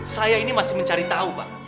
saya ini masih mencari tahu pak